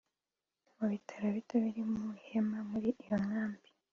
Mu bitaro bito biri mu ihema muri iyo nkambi